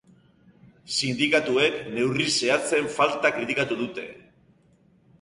Sindikatuek neurri zehatzen falta kritikatu dute.